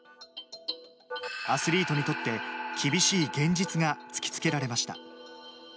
アスリートにとって厳しい現実が突きつけられました。